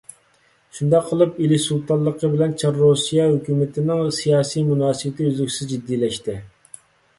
شۇنداق قىلىپ، ئىلى سۇلتانلىقى بىلەن چار رۇسىيە ھۆكۈمىتىنىڭ سىياسىي مۇناسىۋىتى ئۈزلۈكسىز جىددىيلەشتى.